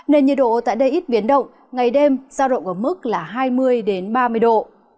nền nhiệt độ tại đây ít biến động ngày đêm giao động ở mức hai mươi đến ba mươi độ